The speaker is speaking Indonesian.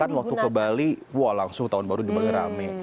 kan waktu ke bali wah langsung tahun baru dibalik rame